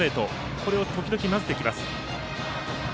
これを時々、混ぜてきます。